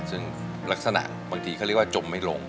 ซึ่งลักษณะบางทีเขาเรียกว่าจมไม่ลง